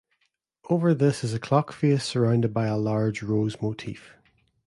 Over this is a clock face surrounded by a large rose motif.